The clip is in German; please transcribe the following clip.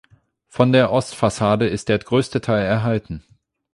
Von der Ostfassade ist der größte Teil erhalten.